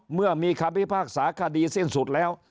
เมื่อมีคำพิพากษาคดีสิ้นสุดแล้ว